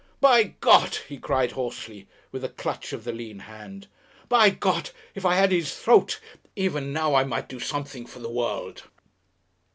"By God!" he cried hoarsely, with a clutch of the lean hand. "By God! If I had his throat! Even now I might do something for the world."